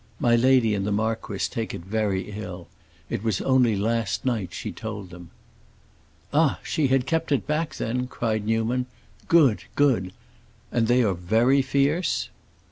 My lady and the marquis take it very ill. It was only last night she told them." "Ah, she had kept it back, then?" cried Newman. "Good, good! And they are very fierce?"